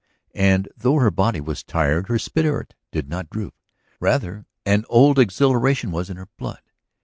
And though her body was tired her spirit did not droop. Rather an old exhilaration was in her blood.